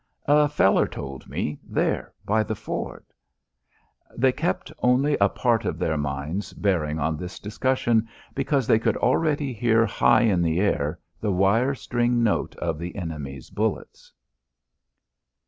"A feller told me there by the ford." They kept only a part of their minds bearing on this discussion because they could already hear high in the air the wire string note of the enemy's bullets.